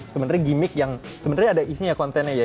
sebenarnya gimmick yang sebenarnya ada isinya kontennya ya